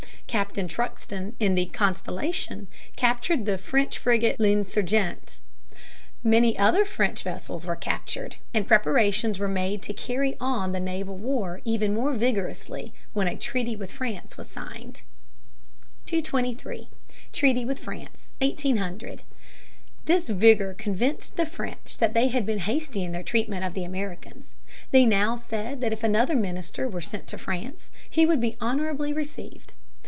Captain Truxton, in the Constellation, captured the French frigate L'Insurgent. Many other French vessels were captured, and preparations were made to carry on the naval war even more vigorously when a treaty with France was signed. [Sidenote: Another commission sent to France.] [Sidenote: The treaty of 1800.] 223. Treaty with France, 1800. This vigor convinced the French that they had been hasty in their treatment of the Americans. They now said that if another minister were sent to France, he would be honorably received.